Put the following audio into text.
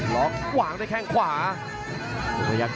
อื้อหือจังหวะขวางแล้วพยายามจะเล่นงานด้วยซอกแต่วงใน